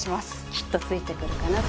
きっとついてくるかなと。